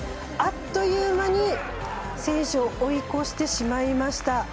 あっという間に選手を追い越してしまいました。